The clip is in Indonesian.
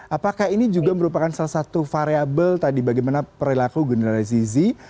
apakah ini juga merupakan salah satu variable tadi bagaimana perilaku generasi z